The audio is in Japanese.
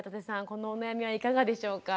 このお悩みはいかがでしょうか？